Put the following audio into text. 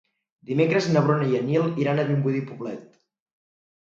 Dimecres na Bruna i en Nil iran a Vimbodí i Poblet.